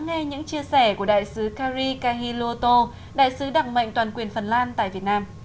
nhiều người nhiều người sống ở chủ quốc tế